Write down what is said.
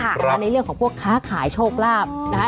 ในเรื่องของพวกค้าขายโชคลาภนะคะ